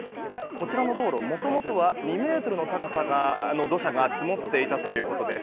こちらの道路、もともとは２ｍの高さの土砂が積もっていたということです。